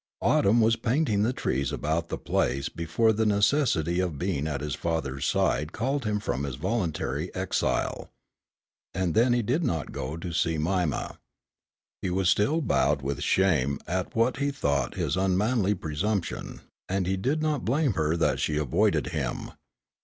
Autumn was painting the trees about the place before the necessity of being at his father's side called him from his voluntary exile. And then he did not go to see Mima. He was still bowed with shame at what he thought his unmanly presumption, and he did not blame her that she avoided him.